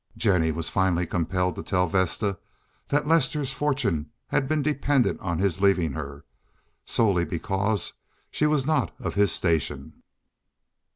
Jennie was finally compelled to tell Vesta that Lester's fortune had been dependent on his leaving her, solely because she was not of his station.